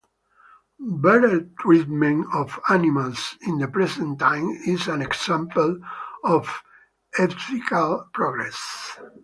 Better treatment of animals in the present times is an example of ethical progress.